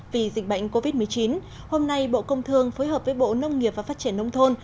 vì dịch bệnh covid một mươi chín hôm nay bộ công thương phối hợp với bộ nông nghiệp và phát triển nông thôn